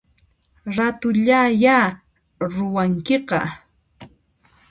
Ratullaya ruwankiqa